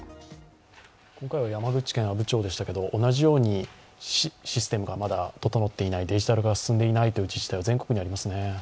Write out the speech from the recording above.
今回は山口県阿武町でしたけど、同じようにシステムがまだ整っていない、デジタル化が進んでいない自治体は全国にありますね。